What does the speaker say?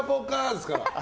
ですから。